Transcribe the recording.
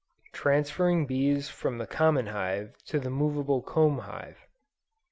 TRANSFERRING BEES FROM THE COMMON HIVE TO THE MOVABLE COMB HIVE.